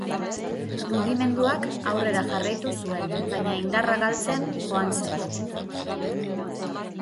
Mugimenduak aurrera jarraitu zuen, baina indarra galtzen joan zen.